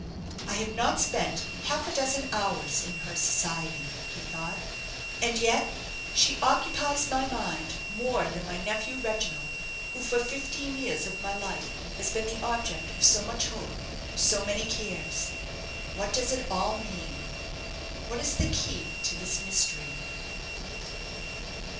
"I have not spent half a dozen hours in her society," he thought, "and yet she occupies my mind more than my nephew, Reginald, who for fifteen years of my life has been the object of so much hope, so many cares. What does it all mean? What is the key to this mystery?"